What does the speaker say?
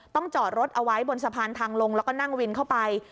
จอดรถเอาไว้บนสะพานทางลงแล้วก็นั่งวินเข้าไป